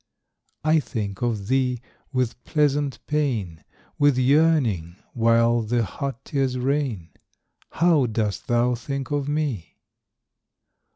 I think of thee With pleasant pain, With yearning, while the hot tears rain. How dost thou think of me?